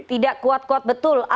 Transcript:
tidak kuat kuat betul